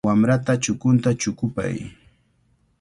Wamrata chukunta chukupay.